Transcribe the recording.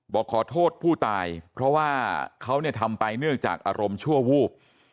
บอกขอโทษผู้ตายเพราะว่าเขาเนี่ยทำไปเนื่องจากอารมณ์ชั่ววูบ